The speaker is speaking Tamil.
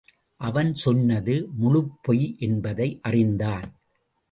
அவன் சொன்னது முழுப் பொய் என்பதை அறிந்தான்.